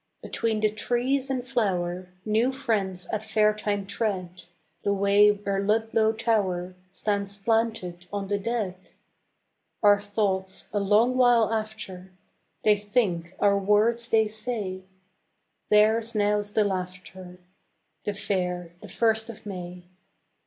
Between the trees in flower New friends at fairtime tread The way where Ludlow tower Stands planted on the dead. Our thoughts, a long while after, They think, our words they say; Theirs now's the laughter, The fair, the first of May.